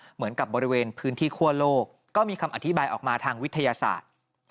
เหมือนกับบริเวณพื้นที่คั่วโลกก็มีคำอธิบายออกมาทางวิทยาศาสตร์